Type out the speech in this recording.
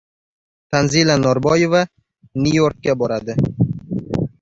Tanzila Norboyeva Nyu-Yorkka boradi